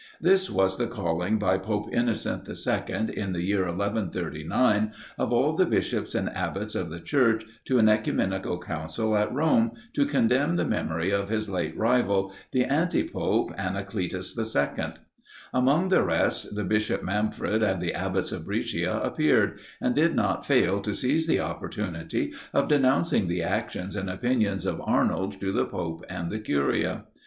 This was the calling by Pope Innocent II., in the year 1139, of all the bishops and abbots of the Church to an oecumenical council at Rome, to condemn the memory of his late rival, the anti pope Anacletus II. Among the rest, the Bishop Manfred and the abbots of Brescia appeared; and did not fail to seize the opportunity of denouncing the actions and opinions of Arnold to the pope and the curia.